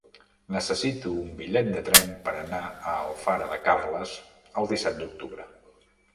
Necessito un bitllet de tren per anar a Alfara de Carles el disset d'octubre.